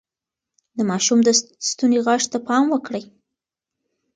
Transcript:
د ماشوم د ستوني غږ ته پام وکړئ.